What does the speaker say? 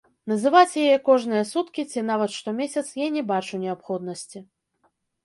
Называць яе кожныя суткі ці нават штомесяц я не бачу неабходнасці.